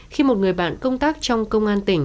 khi một người bạn công tác trong công an tỉnh